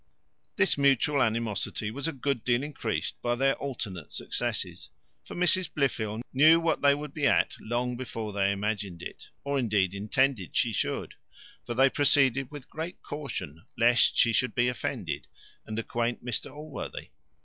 This mutual animosity was a good deal increased by their alternate successes; for Mrs Blifil knew what they would be at long before they imagined it; or, indeed, intended she should: for they proceeded with great caution, lest she should be offended, and acquaint Mr Allworthy.